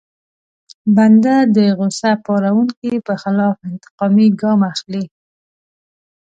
بنده د غوسه پاروونکي په خلاف انتقامي ګام اخلي.